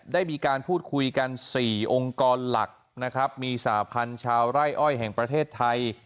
ได้มีการพูดคุยกัน๔องค์กรหลักนะครับมีสาพันธ์ชาวไร่อ้อยแห่งประเทศไทย